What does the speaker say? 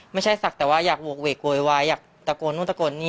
ศักดิ์แต่ว่าอยากโหกเวกโวยวายอยากตะโกนนู่นตะโกนนี่